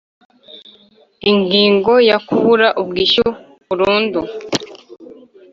Ingingo ya Kubura ubwishyu burundu